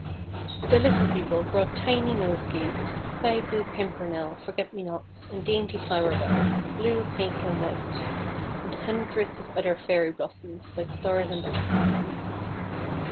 The Little People brought tiny nosegays of sky blue Pimpernel, Forget me nots, and dainty flower bells, blue, pink, and white, and hundreds of other Fairy blossoms like stars and butterflies.